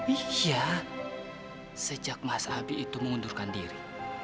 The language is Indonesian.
iya sejak mas habib itu mengundurkan diri